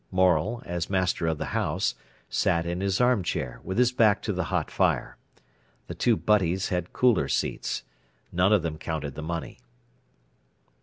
Morel, as master of the house, sat in his armchair, with his back to the hot fire. The two butties had cooler seats. None of them counted the money.